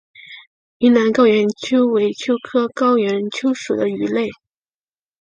云南高原鳅为鳅科高原鳅属的鱼类。